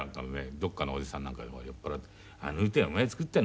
どっかのおじさんなんか酔っ払って「あの歌お前作ったの？」。